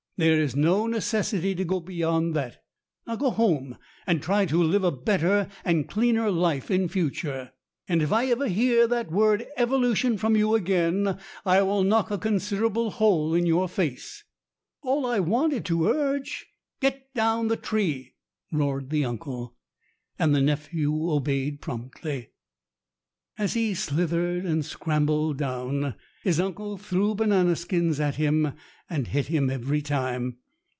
There is no necessity to go beyond that. Now go home and try to live a better and cleaner life in future, and if I ever EVOLUTION 327 hear that word evolution from you again I will knock a considerable hole in your face." "All I wanted to urge " "Get down the tree," roared the uncle. And the nephew obeyed promptly. As he slithered and scrambled down his uncle threw banana skins at him and hit him every time.